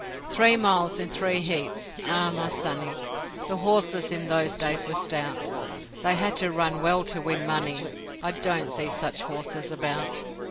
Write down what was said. Three miles in three heats: Ah, my sonny, The horses in those days were stout, They had to run well to win money; I don't see such horses about.